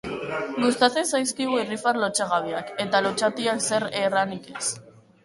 Gustatzen zaizkigu irrifar lotsagabeak, eta lotsatiak zer erranik ez.